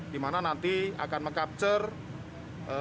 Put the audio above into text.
di mana nanti akan meng capture